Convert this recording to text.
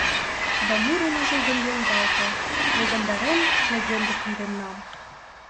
Да муро ныжылгын йоҥгалте, Ойгандарен легенде кундемнам.